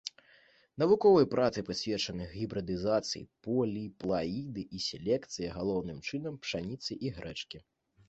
Навуковыя працы прысвечаны гібрыдызацыі, поліплаідыі і селекцыі, галоўным чынам, пшаніцы і грэчкі.